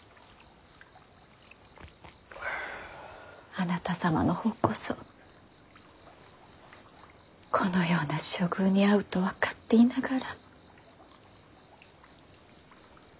あなた様の方こそこのような処遇に遭うと分かっていながら。